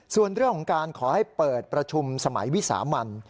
ส่วนเรื่องของการขอให้เปิดประชุมสมัยวิสามัน